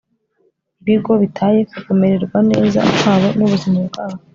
ibigo bitaye ku kumererwa neza kwabo nubuzima bwabo